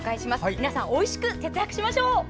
皆さん、おいしく節約しましょう。